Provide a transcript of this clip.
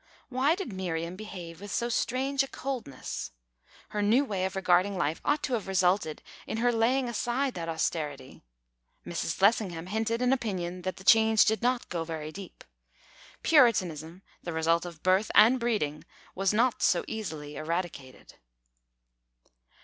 Why did Miriam behave with so strange a coldness? Her new way of regarding life ought to have resulted in her laying aside that austerity. Mrs. Lessingham hinted an opinion that the change did not go very deep; Puritanism, the result of birth and breeding, was not so easily eradicated.